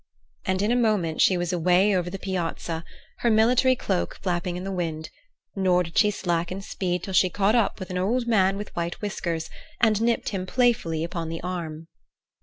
And in a moment she was away over the Piazza, her military cloak flapping in the wind; nor did she slacken speed till she caught up an old man with white whiskers, and nipped him playfully upon the arm.